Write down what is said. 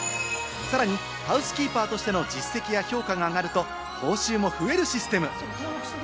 さらにハウスキーパーとしての実績や評価が上がると報酬も増えるシステム。